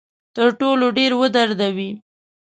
تر ټولو ډیر ودردوي.